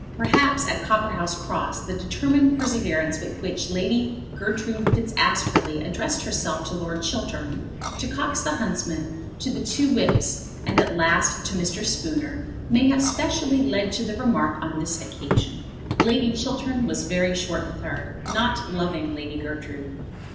Perhaps at Copperhouse Cross the determined perseverance with which Lady Gertrude Fitzaskerley addressed herself to Lord Chiltern, to Cox the huntsman, to the two whips, and at last to Mr. Spooner, may have specially led to the remark on this occasion. Lord Chiltern was very short with her, not loving Lady Gertrude.